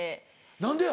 何でや？